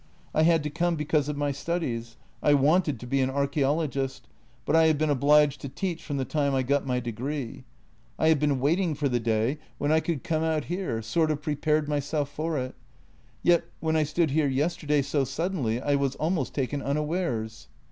I had to come because of my studies. I wanted to be an archaeologist, but I have been obliged to teach from the time I got my degree. I have been waiting for the day when I could JENNY 36 come out here — sort of prepared myself for it. Yet, when I stood here yesterday so suddenly, I was almost taken unawares."